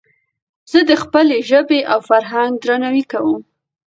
زه د خپلي ژبي او فرهنګ درناوی کوم.